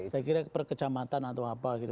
saya kira perkecamatan atau apa gitu